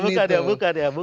bukan ya bukan ya